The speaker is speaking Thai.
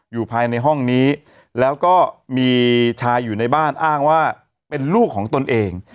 อยู่ภายในห้องนี้แล้วก็มีชายอยู่ในบ้านอ้างว่าเป็นลูกของตนเอง